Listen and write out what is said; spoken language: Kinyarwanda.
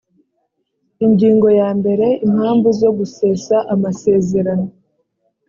ingingo ya mbere impamvu zo gusesa amasezerano